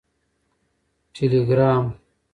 ټیلیګرام